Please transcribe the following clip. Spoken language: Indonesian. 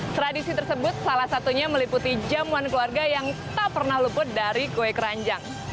tradisi tersebut salah satunya meliputi jamuan keluarga yang tak pernah luput dari kue keranjang